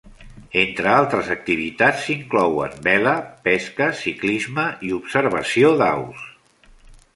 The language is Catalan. Entre altres activitats s'inclouen vela, pesca, ciclisme i observació d'aus.